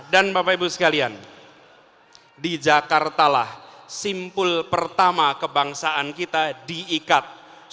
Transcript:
dan bapak ibu sekalian di jakartalah simpul pertama kebangsaan kita diikat